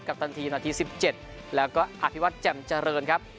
กับตันทีนาทีสิบเจ็ดแล้วก็อภิวัติแจ่มเจริญครับ